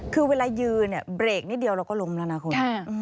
คือเวลายืนเนี่ยเบรกนิดเดียวเราก็ล้มแล้วนะคุณ